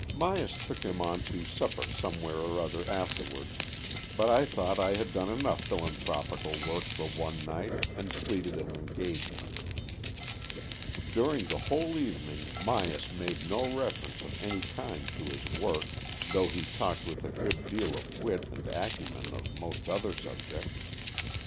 Myas took him on to supper somewhere or other afterwards, but I thought I had done enough philanthropical work for one night, and pleaded an engagement. During the whole evening Myas made no reference of any kind to his work, though he talked with a good deal of wit and acumen of most other subjects.